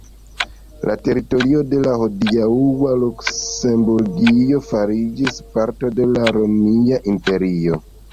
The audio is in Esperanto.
La teritorio de la hodiaŭa Luksemburgio fariĝis parto de la romia imperio.